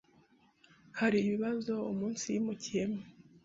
Hari ibibazo umunsi yimukiyemo.